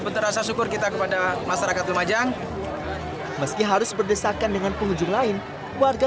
berasa syukur kita kepada masyarakat lumajang meski harus berdesakan dengan pengunjung lain warga